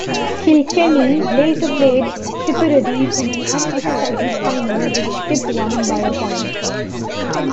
Kilkenny later played Tipperary in an unexciting final which Tipp won by a point.